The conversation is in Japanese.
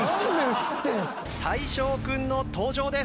大昇君の登場です。